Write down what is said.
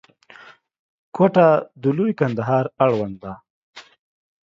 کوټه د لوی کندهار اړوند ده.